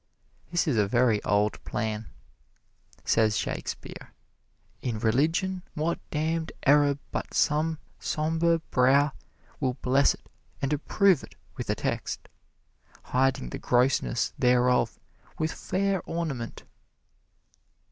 This is a very old plan. Says Shakespeare: "In religion what damned error but some somber brow will bless it and approve it with a text, hiding the grossness thereof with fair ornament."